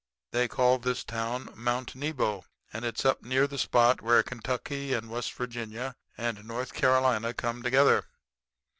They call this town Mount Nebo, and it's up near the spot where Kentucky and West Virginia and North Carolina corner together.